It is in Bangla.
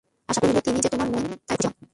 আশা কহিল, তিনি যে তোমার মন জানেন, তাই খুশি হন।